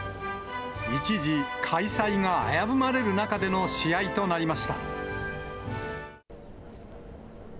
一時、開催が危ぶまれる中での試合となりました。